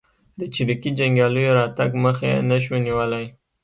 د چریکي جنګیالیو راتګ مخه یې نه شوه نیولای.